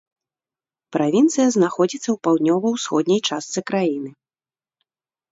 Правінцыя знаходзіцца ў паўднёва-ўсходняй частцы краіны.